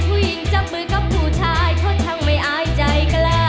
ผู้หญิงจับมือกับผู้ชายค่อนข้างไม่อายใจกล้า